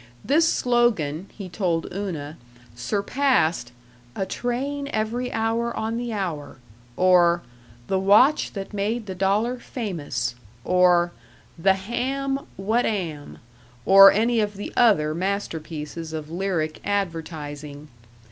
This slogan, he told Una, surpassed "A train every hour on the hour," or "The watch that made the dollar famous," or, "The ham what am," or any of the other masterpieces of lyric advertising.